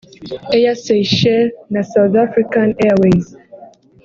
Air Seychelles na South African Airways